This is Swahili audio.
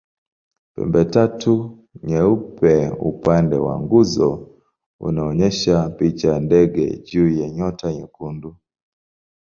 Pembetatu nyeupe upande wa nguzo unaonyesha picha ya ndege juu ya nyota nyekundu.